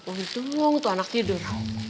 untung tuh anak tidur